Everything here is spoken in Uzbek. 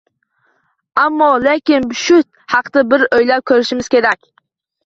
Ammo-lekin shu haqda bir o‘ylab ko‘rishimiz kerak...